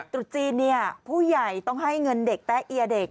จุดจีนเนี่ยผู้ใหญ่ต้องให้เงินเด็กแตะเยียเด็ก